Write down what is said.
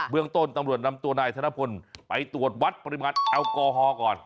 เมืองต้นตำรวจนำตัวนายธนพลไปตรวจวัดปริมาณแอลกอฮอล์ก่อน